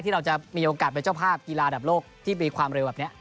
เราจะมีโอกาสเป็นเจ้าภาพกีฬาระดับโลกที่มีความเร็วแบบนี้